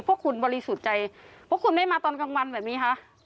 พวกคุณบริสุจัยพวกคุณไม่มาตอนกลางวันแบบนี้ฮะ